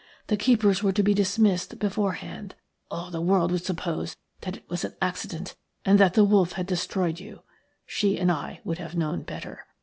The keepers were to be dismissed beforehand. All the world would suppose that it was an accident and that the wolf had destroyed you. She and I would have known better.